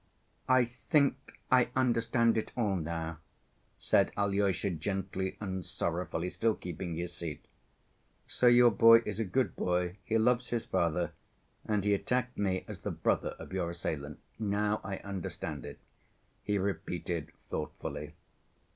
"I think I understand it all now," said Alyosha gently and sorrowfully, still keeping his seat. "So your boy is a good boy, he loves his father, and he attacked me as the brother of your assailant.... Now I understand it," he repeated thoughtfully.